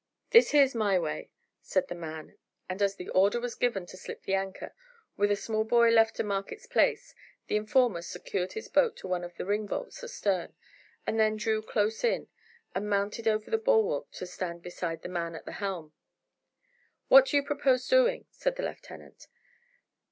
"This here's my way," said the man; and as the order was given to slip the anchor, with a small buoy left to mark its place, the informer secured his boat to one of the ringbolts astern, and then drew close in; and mounted over the bulwark to stand beside the man at the helm. "What do you propose doing?" said the lieutenant.